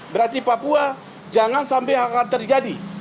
berarti papua jangan sampai akan terjadi